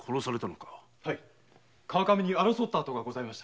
はい川上に争った跡がございました。